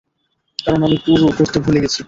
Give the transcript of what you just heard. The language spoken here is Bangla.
কারণ, আমি পুরো করতে ভুলে গেছি।